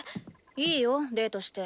いいよデートして。